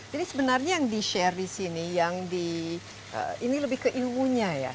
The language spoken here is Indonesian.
jadi sebenarnya yang di share di sini yang di ini lebih ke ilmunya ya